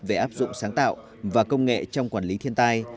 về áp dụng sáng tạo và công nghệ trong quản lý thiên tai